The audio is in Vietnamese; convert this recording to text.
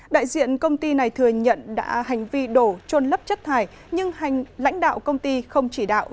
đại diện công ty này thừa nhận đã hành vi đổ trôn lấp chất thải nhưng lãnh đạo công ty không chỉ đạo